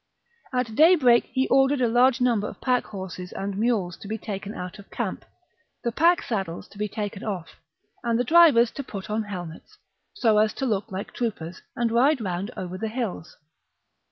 At daybreak he ordered a large number of pack horses and mules to be taken out of camp, the pack saddles to be taken off, and the drivers to put on helmets, so as to look like troopers, and ride round over the hills.